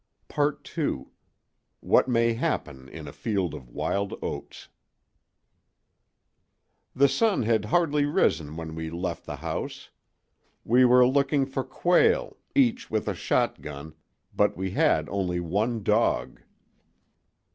II WHAT MAY HAPPEN IN A FIELD OF WILD OATS "... The sun had hardly risen when we left the house. We were looking for quail, each with a shotgun, but we had only one dog.